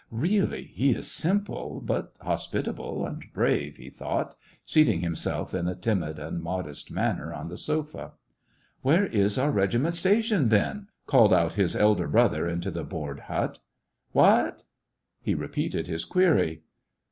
Really, he is simple, but hospitable and brave," he thought, seating himself in a timid and modest manner on the sofa. " Where is our regiment stationed, then .*" called out his elder brother into the board hut. " What ?" He repeated his query.